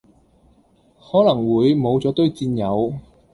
可能會無咗堆戰友